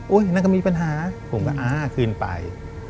โอ้ยนั่นก็มีปัญหาผมก็อ้าขึ้นไป